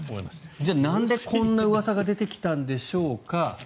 じゃあ、なんでこんなうわさが出てきたんでしょうか。